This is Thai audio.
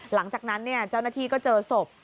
หลังจากนั้นเจ้าหน้าที่ก็เจอศพ